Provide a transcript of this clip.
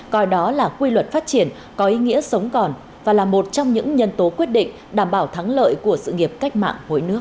coi đó là quy luật phát triển có ý nghĩa sống còn và là một trong những nhân tố quyết định đảm bảo thắng lợi của sự nghiệp cách mạng